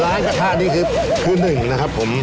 ล้างกระทะนี่คือ๑นะครับผม